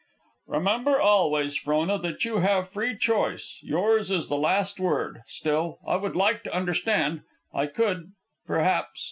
"Remember always, Frona, that you have free choice, yours is the last word. Still, I would like to understand. I could ... perhaps